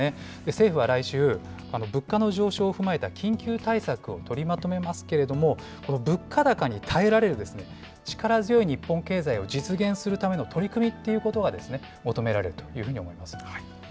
政府は来週、物価の上昇を踏まえた緊急対策を取りまとめますけれども、物価高に耐えられる、力強い日本経済を実現するための取り組みということが求められるというふうに思います。